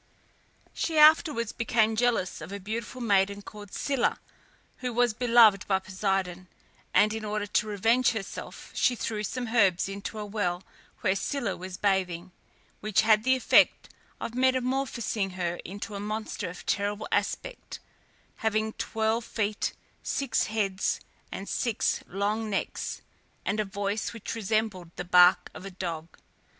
She afterwards became jealous of a beautiful maiden called Scylla, who was beloved by Poseidon, and in order to revenge herself she threw some herbs into a well where Scylla was bathing, which had the effect of metamorphosing her into a monster of terrible aspect, having twelve feet, six heads with six long necks, and a voice which resembled the bark of a dog.